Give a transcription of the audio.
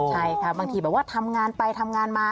ใช่ค่ะบางทีแบบว่าทำงานไปทำงานมา